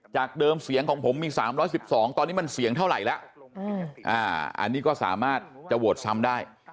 จากเดิมเสียงของผมมี๓๑๒ตอนนี้มันเสียงเท่าไหร่แล้วอันนี้ก็สามารถจะโหวตซ้ำได้